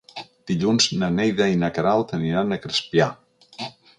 Dilluns na Neida i na Queralt aniran a Crespià.